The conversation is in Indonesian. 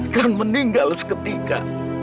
dan meninggal seketika